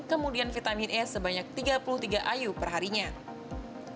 selain konsumsi vitamin dokter spesialis gizi rumah sakit brawijaya sindiawati pujaji mengatakan